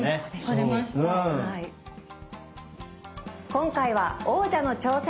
今回は王者の挑戦